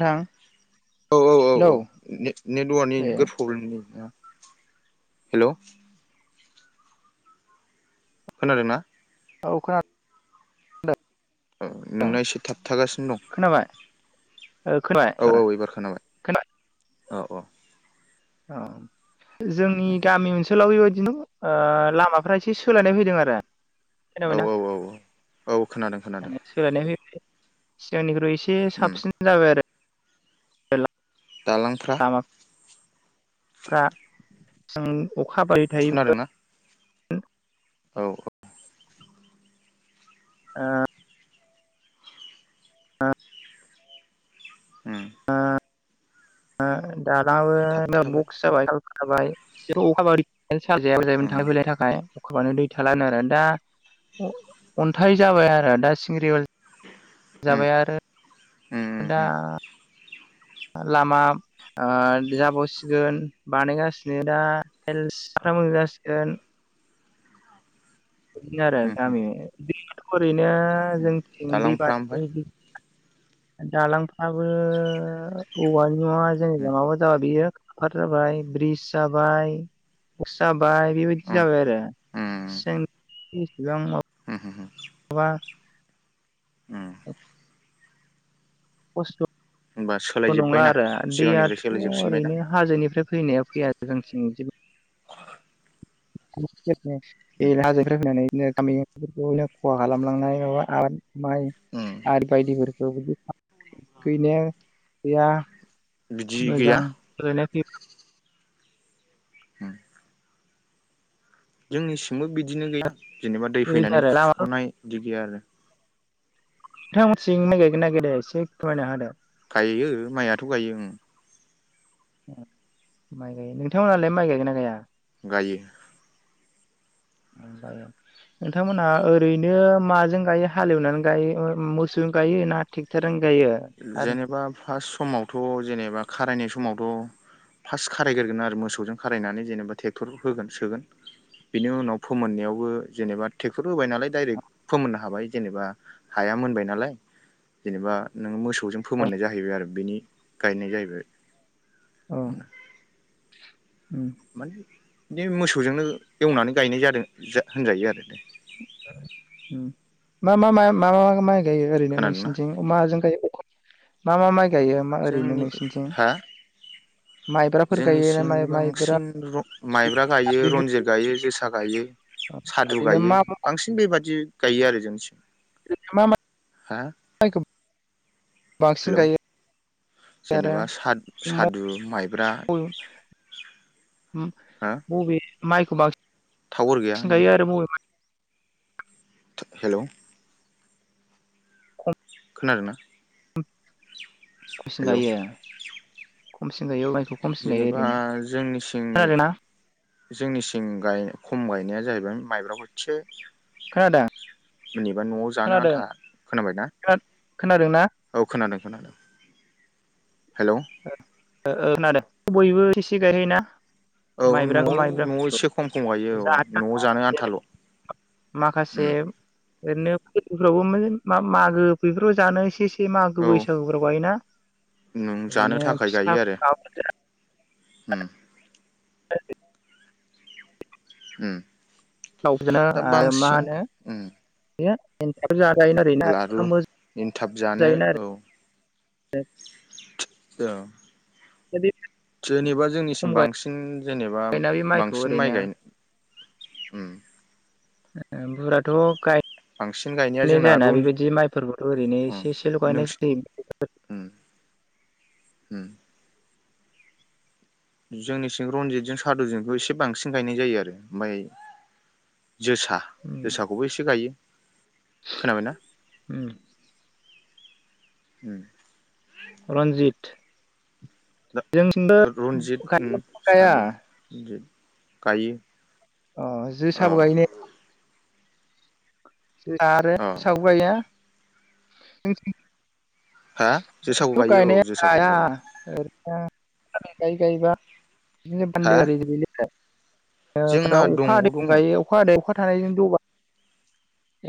नोंथां औ औ औ औ हेलौ ने-नेटवारकनि ए बोराद प्रब्लेम जायोना। हेलौ। खोनादोंना? औ खोना नोंना एसे थाबथागासिनो दं खोनाबाय ओ खोनाबाय औ आदा औ एबार खोनाबाय औ औ। औ। जोंनि गामि ओनसो सोलाव बेबायदिनो ओ लामाफ्रा एसे सोलायनाय फैदों आरो। औ खोनाबायना औ औ औ खोनादों खोनादों सोलायनायफैबाय। सिगांनिख्रुइ इसे एसे उम साबसिन जाबाय आरो। [unintelligible] दालांफ्रा फ्रा जों अखा बै थायोमोन। खोनादोंना औ औ। ओ। उम ओ दालाङाबो [unintelligible] थाबथाबाय बक्स जाबाय थाबथाबाय इसे अखा बारि। [unintelligible] उम थांल फैलाय थाखाय। अखाबानो दै थालानो आरो दा आं अन्थाइ जाबाय आरो दा सिंग्रिबल उम जाबाय आरो उम उम दा उम लामा आं जाबावसिगोन बानायगासिनो दा थाइलसफ्रा मोजां जासिगोन इदिनो आरो उम उम गामिआव थ ओरैनो जों हिन्दी दालांफ्रा ओमफ्राय बाषी दालांफ्राबो औवानि नङा जोंनि उम लामाबो जाबा बियो हाद जाबाय ब्रिज जाबाय बस जाबाय बेबायदि उम जाबाय आरोे उम इसेबां माब उम उम माबा उम [inaudible] होनबा खसथ नंला सोलायजोब्बायना आरो सिगांनिफ्राय दैयाथ सोलायजोबफिनबायना ओरैनो हाजोनिफ्राय फैनायाव फैया जोंनिथिं बे उम हाजो फैनानै बिदिनो गामि ओफोरखौनो खहा खालामलांनाय माबा आबाद उम आरो बायदिफोरखौ बिदिनो गैया बिदि मोजां गैया सोलायनाय फैयो उम जोंनिसिमबो बिदिनो गैया जेनेबा दै फैबाय फैनानै आरो लामाफोर खुरखुखनाय बिदि गैया आरो नोंथां मोनसिं माइ गायगोना गाया एसे फोरमायना हादो गायो मायाथ गायो ओम माइ गायो नोंथांमोनहालाय माइ गायगोन ना गाया गायो नोंथांमोनहा ओरैनो माजों गायो हालेवनानै गायो मोसौजों गायो ना टेक्टरजों जेनेबा फास समावथ जेनेब नेबा खारायनाय समावथ फास खारायगोरगोन आरो मोसौजों खारायनानै जेनेबा टेक्टर होगोन सोगोन बेनि उनाव फोमोननायावबो जेनेबा टेक्टर होबाय नालाय दाइरेख फोमोननो हाबाय जेनेबा हाया मोनबाय नालाय जेनेबा नों मोसौ खौ जों औ फोमोननाय जाहैबाय आरो बेनि गायनाय जाहैबाय औ उम माने नि मोसौजोंनो एवनानै गायनाय जादों जा होनजायो आरो मा मा मा मा मा माया गायो ओरैनो खोनादोंना नोंसिनिथिं माजों गायो मा मा मा गायो ओरैनो जोंनि नोंसिनिथिं हा माइब्राफोर जोंनि गायो ना सिं माइ माइब्रा बांसिन माइब्रा गायो रनजित बेफोरखौ गायो जोसा गायो। सादु ओरैनो गायो मा मा बांसिन बेबादि गायो आरो जोंथिं। मा हा? माइखौ बांसिन हेलौ गायो। आरो जेनेबा साद-सादु माइ [unintelligible] हो बबे? माइखौ टावार गैया बांसिन नों गायो आरो बबे हेलौ। खोनादोंना? [inaudible] अबेसिम हेलौ गायो? खमसिन गायो माइ जेनेबा जोंनि सिंनि खोनादोंना जोंनिसिं गाय-खम गायनाया जाहैबाय माइब्रा खोनादों [unintelligible] जेनेबा न'आव जानो आथा खोनाबायना? खोनादों ना? [unintelligible] ओ खोनादों। बयबो एसे गायोना। औ न'आव न'आव एसे खम खम गायो औ न'आव जानो जेरै आन्थाल' ओम। माखासे ओरैनो फोरबोफ्रावबो मागो बेफ्राव जानो एसे एसे औ मागो बैसागुफ्राव गायोना। नों जानो ओरैनो थाखाय फिथा गायो आरो। उम। [inaudible] उम। थावजोनो दा आरो मा बांसिन होनो? उम बे एन्थाब लारु एन्थाब जानो औ [unintelligible] ओ। [unintelligible] जेनेबा जोंनिसिम खम बांसिन जेनेबा गायोना बे माइखौ बांसिन ओरैनो माइ गायनो उम ओ बुराथ‌ गाय बांसिन गायनाया नो जोंना जायाना रन बेबायदि माइफोरबोथ' ओरैनो उम एसे एसे ल गायनाय नोंसि जायो। उम उम जोंनि सिं रनजितजों सादुजोंखौ एसे बांसिन गायनाय जायो आरो माइ जोसा जोसाखौबो एसे गायो। खोनाबाय ना? उम रन्जित जोंथिंबो [unintelligible] रनजित उम गाया सादु इदि गायो। अ अ जोसाबो गायो ने? अ [unintelligible] [unintelligible] हा जोसाखौ जोंथ' गायो औ गायनाया जोसाखौ हाया गायो ओरैनो आं गाय गाय बा बिददिनो हा बान्दो आरि गोलैलाय ओ [unintelligible] जोंना अखा दंग' हादैजों दङ गायो अखा हादै अखा थारैनो दबा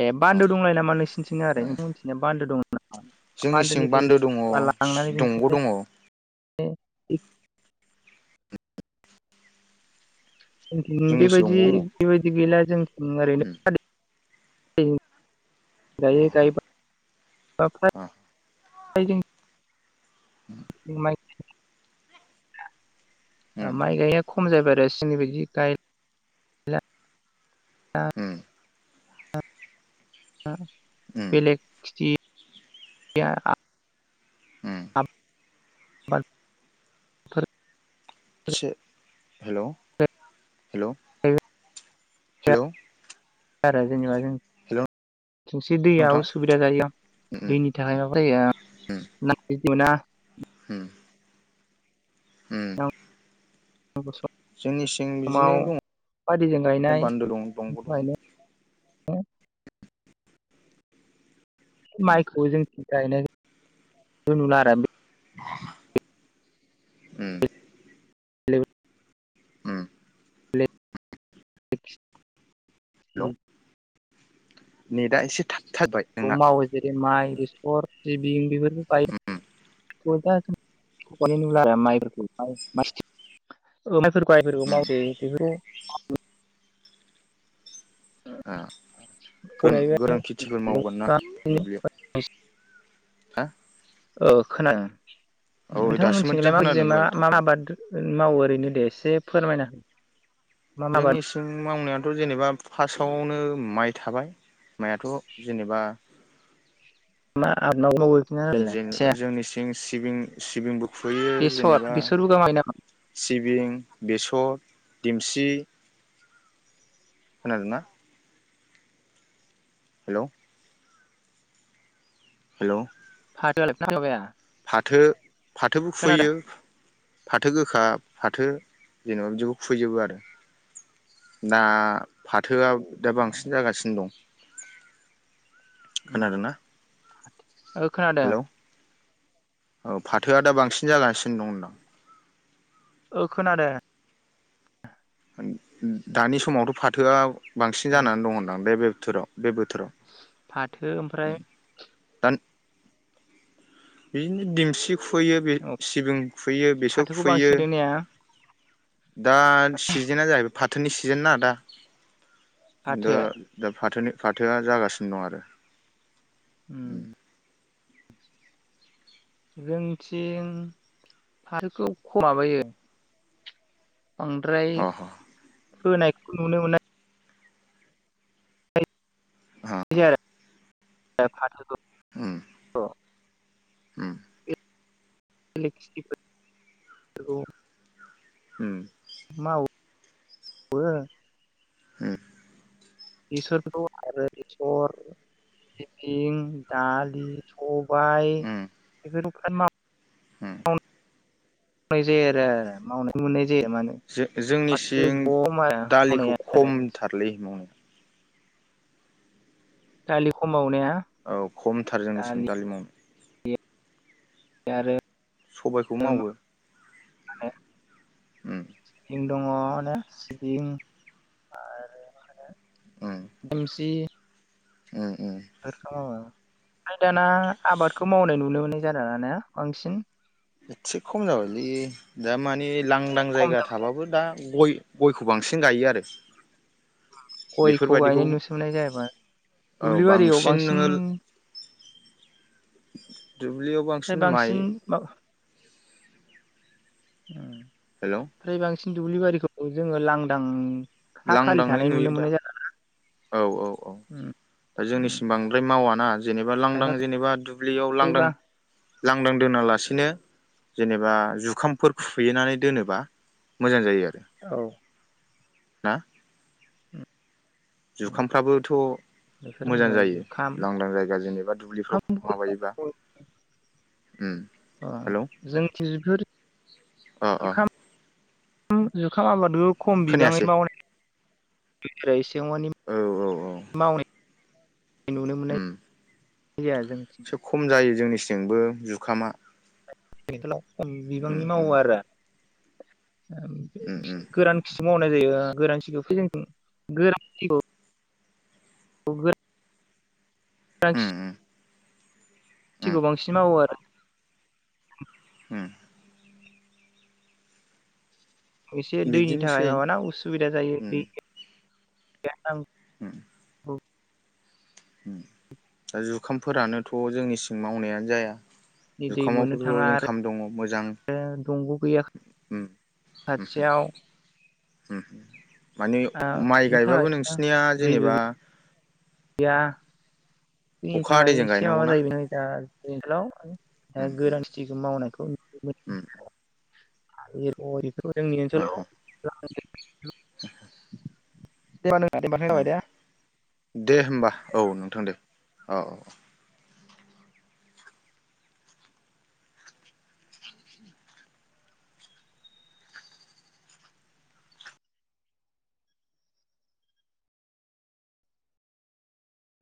ए अ बान्दो दंलायो‌ नामा नोंसिनिथिंना आरै [unintelligible] मिथिना बान्दो दं नामा जोंनि सिं बान्दोनिफ्राय बान्दो दंङ दंग' दंङ। ए जोंनिथिं जोंनिसो दंग' बेबायदि दङ बेबायदि गैला जोंथिं ओरैनो उम [unintelligible] [unintelligible] गायो अ गायो बा अ [unintelligible] [unintelligible] माइ ओ उम माइ गाया खम जायबाय आरो सि सिंनि बायदि गाय ला उम आ उम बेलेग खिथि [unintelligible] उम आब [inaudible] आदसा हेलौ हेलौ हेलौ। [unintelligible] हेलौ थोंसे दैया नोंथां उसुबिदा जायो उम दैनि थाखाय माबा जायो उम ना मोना। उम उम जोंनिसिं बिदिनो समाव दङ अखा हादैजों गायनाय बान्दो दं दंग' दङ उम माइखौ जों गायनाय नुला आरो उम [unintelligible] उम [unintelligible] उम नेदा एसे था औ मावो जेरै माइ बेसर सिबिं बेबादि गायो। उम [unintelligible] सोरबा मायफोरखौ उम मावजायो गोरों खेथिफोर मावगोन ना दुब्लियाव। हा? ओ औ खोनादों। नोंथां दासो मोजां मोनथिंलाय माब खोनादों मा दहाय मा थाबथा आबाद? मावो ओरैनो दे एसे फोरमायनो जोंनि सिं मावनाय थ' जेनेबा फासआवनो माइ थाबाय माइआथ' जेनेबा माय आबाद मावो। खोन्थालाय जेनेबा एसे जोंनि सिं सिबिं सिबिंबो खुबैयो बेसर जेनेबा बेसरबो गामायो नामा सिबिं बेसर। देमसि खोनादोंना? हेलौ हेलौ फाथो [unintelligible] फाथो फाथोबो खुबैयो। फाथो गोखा फाथो जेनेबा बिदिखौ खुबैजोबो आरो ना फाथोआ दा बांसिन जागासिनो दं। खोनादोंना? ओ खोनादों। हेलौ औ फाथोआ दा बांसिन जागासिनो दं होनदां। ओ खोनादो। दानि समावथ' फाथोआ बांसिन जानानै दं होनदां बे-बे थोराव बे बोथोराव। फाथो ओमफ्राय दान बिदिनो दिमसि खुयो बे सिबिं खुयो बेसर फाथोखौ खुयो। बांसिन गायदों ने दा सिजोना जाहैबाय फा थो सिजोनना दा। दा फाथो दा फाथोनि फाथोआ जागासिनो दं आरो। उम। जोंनिथिं फाथोखौ खम माबायो। बांद्राय आरो अ ह फोनायखौ नुनो मोना। अ बिदि आरो। ओ फाथोखौ उम। उम। [unintelligible] उम। मावोबो। उम। बेसोरथ' आरो बेसर सिबिं दालि स बाइ बेखौ [unintelligible] होम। मावनाय जायो आरो मावनाय [unintelligible] जो-जोंनि फाथो सिं गम आरो दालिखौ मावनाया आरो खमथारलै मावनाया दालि खम मावनाया औ खमथार जोंनिसिम दालि मावना आरो सबायखौ मावो। आरो उम सिबिं दङ माने सिबिं आरो मा होनो उम देमसि उम उम फोरखौ मावो फाय दाना आबादखौ मावनाय नुनो मोननाय जाला ना बांसिन। एसे खम जाबायलै दा मानि लांदां खम जायगा जाबाय थाबाबो दा गय गयखौ बांसिन गायो आरो। गयखौ बेफोरबायदिखौ गायनाय नुसोमनाय जायाबा औ दुब्लि बारियाव बांसिन नोङो दुब्लियाव ओमफ्राय माइ बांसिन मा उम हेलौ फ्राय बां सिन दुब्लि बारिखौ जोङो लांदां हा खालि लांदाङै थानाय नुयो नुनो दा, मोननाय जाला औ औ उम औ उम जोंनिसिम बांद्राय मावाना जेनेबा लांदां खायफा जेनेबा दुब्लियाव लांदां खायफाबा लांदां दोनालासिनो जेनेबा जुखामफोर खुइनानै दोनोबा मोजां जायो आरो। औ ना उम जुखामफ्राबोथ' बेफोरनो मोजां जाबाय जायो जुखाम लांदां जायगा जेनेबा दुब्लिफ्राव जुखामखौ माबायोबा। उम अ' हेलौ जोंथि बेफोर अ अ जुखाम खाम जुखाम आबादखौ खम बिबाङै खोनायासै मावनाय [unintelligible] बेयाव मानि औ औ औ मावनाय नुनो मोननाय उम जाया जोंनिथिं एसे खम जायो जोंनिसि बो जुखामा बेंथलाव खम उम बिबांनि उम मावो आरो। उम बे-बे गोरान मावनाय जायो गोरांथि [unintelligible] [unintelligible] उम उम [unintelligible] उम थिखौ बांसिन मावो आरो। उम। एसे दैनि थाखाय बिदिनोसै माबाना उसुबिदा जायो उम दै [unintelligible] उम। उम जुखामफोरानोथ' जोंनिसिं मावनायानो जाया। दै मोननो थाङा जुखामावबोथ' आरो इनकाम दङ मोजां दंग' गैया उम उम। खाथियाव ओ उम। माने माइ बिनि गायबाबो थाखायनो नोंसिनिया दैबो जेनेबा गैया। दैनि अखा थाखाय हादैजों एसे माबा गायनांगौना जाहोयबाय नै दा हेलौ ओ उम गोरानखिथिखौ मावनायखौ उम [unintelligible] [unintelligible] जोंनि अह ओनसोलाव [inaudible] [unintelligible] [unintelligible] दा उम दे होमबा। औ नोंथां दे अ अ।